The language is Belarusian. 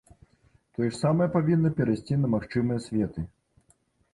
Тое ж самае павінна перайсці на магчымыя светы.